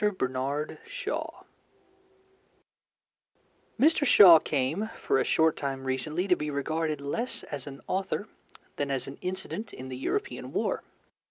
BERNARD SHAW Mr. Shaw came for a short time recently to be regarded less as an author than as an incident in the European War.